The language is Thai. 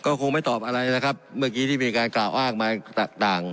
ก็คงไม่ตอบอะไรนะครับเมื่อกี้ที่มีการกล่าวอ้างมาต่างต่าง